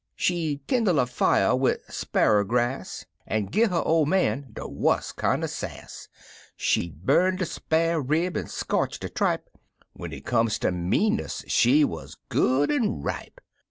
She'd kindle a fier wid sparrer grass, An' gi" her ol' man de wuss kinder sass. She'd bum de spar' rib an' scorch de tripe When it come ter meanness she wuz good an' ripe.